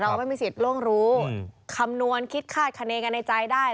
ไม่มีสิทธิ์ล่วงรู้คำนวณคิดคาดคณีกันในใจได้